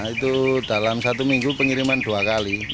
itu dalam satu minggu pengiriman dua kali